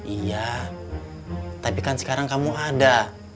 iya tapi kan sekarang kamu ada